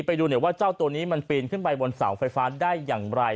ไปดูหน่อยว่าเจ้าตัวนี้มันปีนขึ้นไปบนเสาไฟฟ้าได้อย่างไร